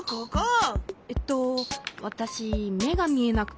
えっとわたしめがみえなくて。